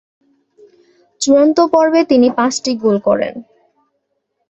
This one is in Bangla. চূড়ান্ত পর্বে তিনি পাঁচটি গোল করেন।